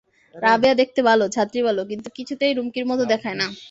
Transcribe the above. রাবেয়া দেখতে ভালো, ছাত্রী ভালো কিন্তু কিছুতেই রুমকির মতো দেখায় না।